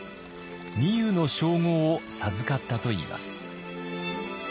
御湯の称号を授かったといいます。